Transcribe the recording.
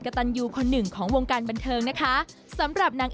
ตันยูคนหนึ่งของวงการบันเทิงนะคะสำหรับนาง